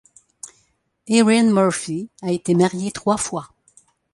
Erin Murphy a été mariée trois fois.